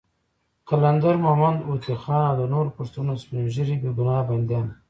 قلندر مومند، هوتي خان، او د نورو پښتنو سپین ږیري بېګناه بندیان وو.